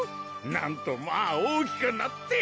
なんとまぁ大きくなって！